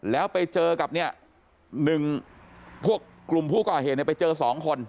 แล้วไปเจอกับเนี่ย๑พวกกลุ่มผู้ก่อเหตุเนี่ยไปเจอ๒คน